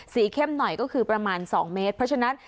เข้มหน่อยก็คือประมาณ๒เมตรเพราะฉะนั้น